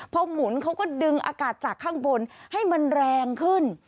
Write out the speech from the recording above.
พอหมุนเขาก็ดึงอากาศจากข้างบนให้มันแรงขึ้น